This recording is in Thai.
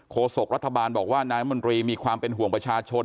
โศกรัฐบาลบอกว่านายมนตรีมีความเป็นห่วงประชาชน